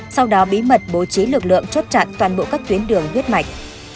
sau đó bí mật bố trí lực lượng chốt chặn toàn bộ các tuyến đường huyết mạch